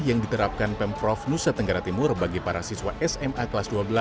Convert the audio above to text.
yang diterapkan pemprov nusa tenggara timur bagi para siswa sma kelas dua belas